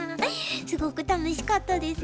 すごく楽しかったです。